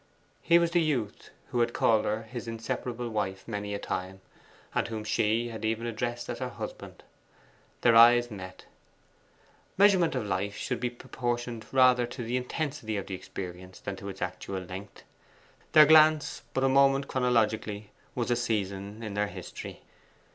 He was the youth who had called her his inseparable wife many a time, and whom she had even addressed as her husband. Their eyes met. Measurement of life should be proportioned rather to the intensity of the experience than to its actual length. Their glance, but a moment chronologically, was a season in their history.